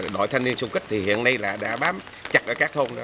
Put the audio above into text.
đội thanh niên xung kích thì hiện nay là đã bám chặt ở các thôn